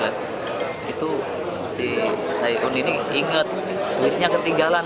masih itu si sayun ini inget duitnya ketinggalan